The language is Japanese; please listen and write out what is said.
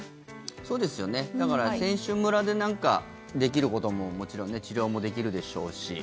だから、選手村でなんかできることももちろん治療もできるでしょうし。